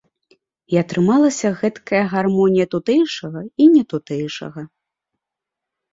І атрымалася гэткая гармонія тутэйшага і нетутэйшага.